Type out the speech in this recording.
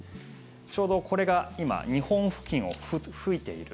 ちょうどこれが今、日本付近を吹いている。